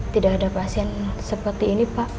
tidak ada pasien seperti ini pak